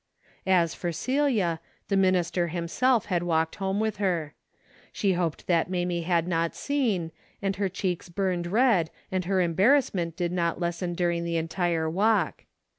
As for Celia, the minister himself had walked home with her. She hoped that Mamie had not seen, and her cheeks burned red and her A DAILY RATE.'^ 287 embarrassment did not lessen during the en tire walk.